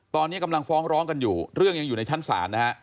ตอนนี้กำลังฟ้องร้องกันอยู่เรื่องยังอยู่ในชั้นศาลนะฮะ